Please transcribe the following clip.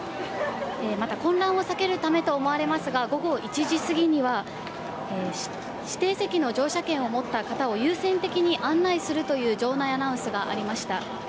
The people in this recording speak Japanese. また混乱を避けるためと思われますが、午後１時過ぎには、指定席の乗車券を持った方を優先的に案内するという場内アナウンスがありました。